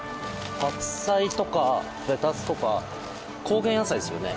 白菜とかレタスとか高原野菜ですよね。